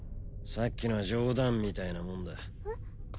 さっきのは冗談みたいなもんだえっ？